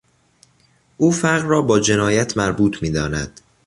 او فقر را با جنایت مربوط میداند.